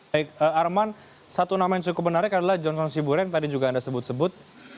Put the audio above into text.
baik arman satu nama yang cukup menarik adalah johnson sibure yang tadi juga anda sebut sebut